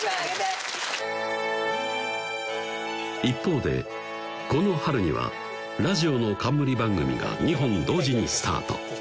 一方でこの春にはラジオの冠番組が２本同時にスタート